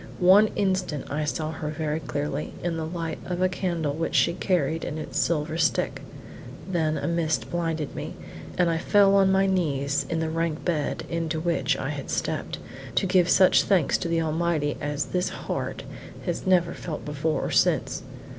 One instant I saw her very clearly, in the light of a candle which she carried in its silver stick; then a mist blinded me, and I fell on my knees in the rank bed into which I had stepped, to give such thanks to the Almighty as this heart has never felt before or since.